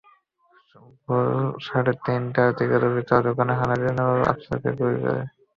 ভোর সাড়ে তিনটার দিকে দুর্বৃত্তরা দোকানে হানা দিয়ে নুরুল আবছারকে গুলি করে।